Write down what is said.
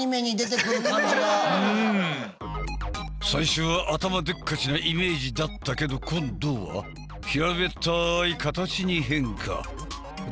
最初は頭でっかちなイメージだったけど今度は平べったい形に変化。